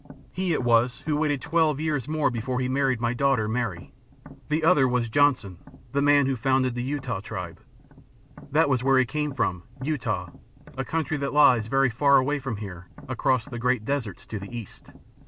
He it was who waited twelve years more before he married my daughter, Mary. The other was Johnson, the man who founded the Utah Tribe. That was where he came from, Utah, a country that lies very far away from here, across the great deserts, to the east.